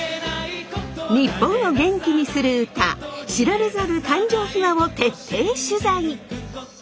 日本を元気にする歌知られざる誕生秘話を徹底取材！